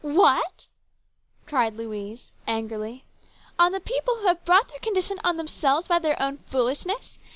" What !" cried Louise angrily. " On the people who have brought their condition on themselves by their own foolishness